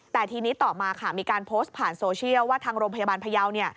แต่ทีนี้ต่อมาค่ะมีการโพสต์ผ่านโซเชียลว่าทางโรงพยาบาลพยาวเนี่ย